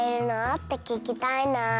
って聞きたいな。